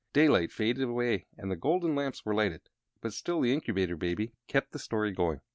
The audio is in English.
Daylight faded away and the golden lamps were lighted, but still the Incubator Baby kept the story going.